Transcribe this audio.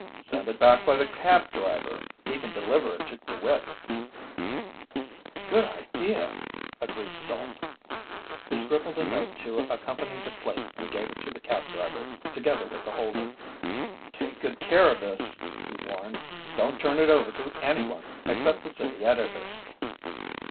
"Send it back by the cab driver. He can deliver it to DeWitt." "Good idea," agreed Salt. He scribbled a note to accompany the plate and gave it to the cab driver, together with the holder. "Take good care of this," he warned. "Don't turn it over to any one except the city editor."